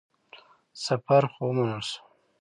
سفر خو ومنل شو.